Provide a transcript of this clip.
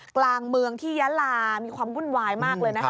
กลางเมืองที่ยาลามีความวุ่นวายมากเลยนะคะ